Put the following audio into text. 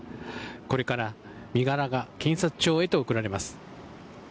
これから身柄が検察庁へと送られます。